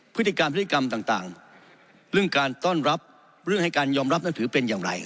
พฤติกรรมพฤติกรรมต่างเรื่องการต้อนรับเรื่องให้การยอมรับนั้นถือเป็นอย่างไร